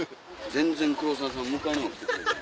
全然黒沢さん迎えにも来てくれない。